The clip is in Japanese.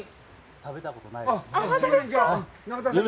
食べたことないです。